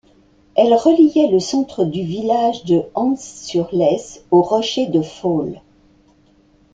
Elle reliait le centre du village de Han-sur-Lesse aux Rochers de Faule.